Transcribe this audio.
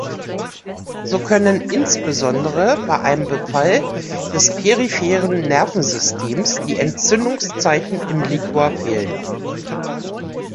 So können insbesondere bei einem Befall des peripheren Nervensystems die Entzündungszeichen im Liquor fehlen.